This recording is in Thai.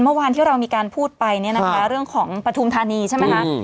เมื่อวานที่เรามีการพูดไปเรื่องของปฐมธานีใช่ไหมคะ